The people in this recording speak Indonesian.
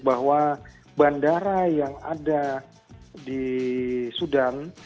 bahwa bandara yang ada di sudan